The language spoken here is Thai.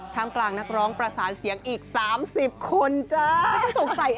มกลางนักร้องประสานเสียงอีก๓๐คนจ้า